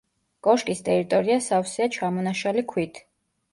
კოშკის ტერიტორია სავსეა ჩამონაშალი ქვით.